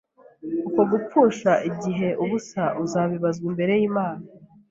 uko gupfusha igihe ubusa azabibazwa imbere y’Imana.